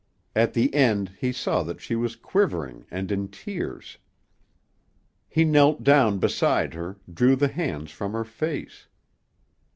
At the end he saw that she was quivering and in tears. He knelt down beside her, drew the hands from her face.